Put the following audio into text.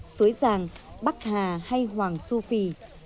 suối giàng bắc hà hay hoàng su phi